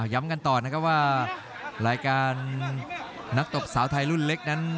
ย้ำกันต่อนะครับว่ารายการนักตบสาวไทยรุ่นเล็กนั้น